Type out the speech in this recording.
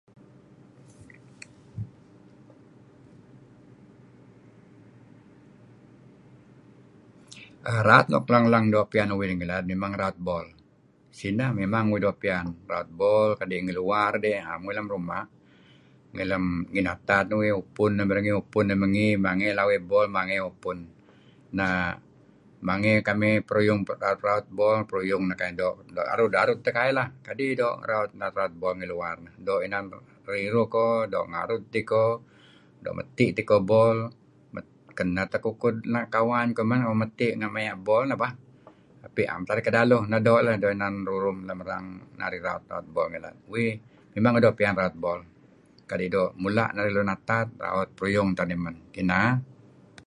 Raut nuk lang doo' piyan uih nih ngilad mimang raut bol. Sineh mimang uih doo' piyan raut bol kadi' ngi luar dih naem ngi ruma'. Ngi natad may upun may ngi mangey lawey ebol mangey arih upun. Nah mangey kamih may peruyung raut bol periying kamih arud-aruh teh kai leh kadi' doo' raut bol peh ngi luar doo' inan riruh ko doo', doo' ngarud tiko, doo' matih bol teh iko. Kenah teh kukud kawan kuh malem mateh maya' bol neh bah. Tetapi naem teh narih kedaluh, ineh kedoo' kadi' inan rurum mrang narih raut bol ngilad. Uih mimang doo' piyan raut bol. Kadi' mula' narih raut ngi nated raut peruyung teh narih man.